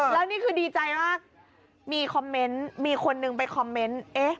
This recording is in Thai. แล้วนี่คือดีใจมากมีคอมเมนต์มีคนนึงไปคอมเมนต์